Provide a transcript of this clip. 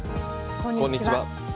こんにちは。